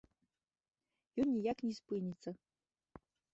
Ён ніяк не спыніцца.